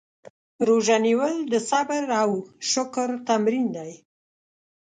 روژه نیول د صبر او شکر تمرین دی.